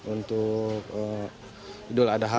untuk idul adha